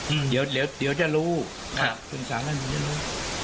อืมเดี๋ยวเดี๋ยวจะรู้ครับคุณสาวนั่นจะรู้